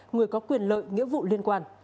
người có quyền lợi nghĩa vụ liên quan